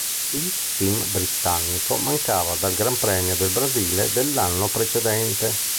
Il "team" britannico mancava dal Gran Premio del Brasile dell'anno precedente.